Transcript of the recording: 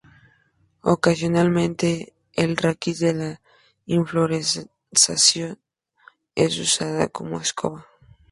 Ocasionalmente el raquis de la inflorescencia es usado como escoba.